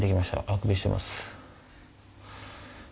あくびしてます。